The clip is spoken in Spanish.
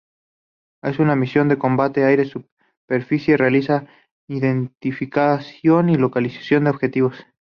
En una misión de combate aire-superficie, realiza identificación y localización de objetivos.